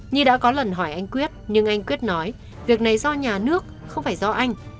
nhi đã có lần hỏi anh quyết nhưng anh quyết nói việc này do nhà nước không phải do anh